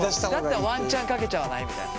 だったらワンチャンかけちゃわないみたいな。